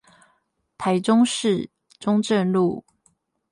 台中市中正路